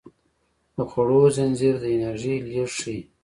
د خوړو زنځیر د انرژۍ لیږد ښيي